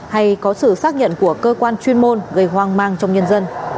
hay có sự xác nhận của cơ quan chuyên môn gây hoang mang trong nhân dân